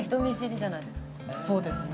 そうですね。